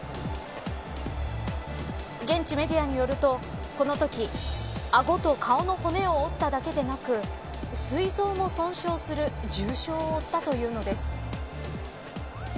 現地メディアによると、このとき顎と顔の骨を折っただけでなく膵臓も損傷する重傷を負ったというのです。